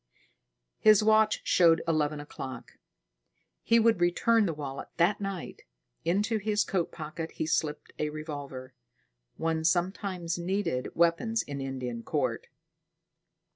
His watch showed eleven o'clock. He would return the wallet that night. Into his coat pocket he slipped a revolver. One sometimes needed weapons in Indian Court.